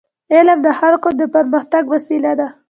علم د خلکو د پرمختګ وسیله ده.